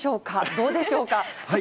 どうでしょうか。